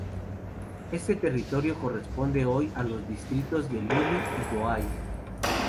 Este territorio corresponde hoy a los distritos de Lille y Douai.